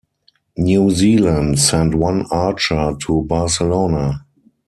New Zealand sent one archer to Barcelona.